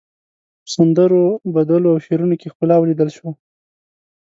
په سندرو، بدلو او شعرونو کې ښکلا وليدل شوه.